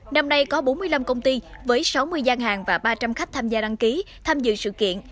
năm nay có bốn mươi năm công ty với sáu mươi gian hàng và ba trăm linh khách tham gia đăng ký tham dự sự kiện